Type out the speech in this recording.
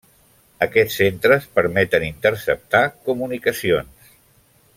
Aquests centres permeten interceptar comunicacions.